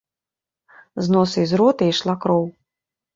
З носа і з рота ішла кроў.